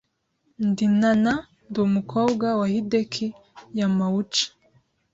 Ndi Nana .Ndi umukobwa wa Hideki Yamauchi .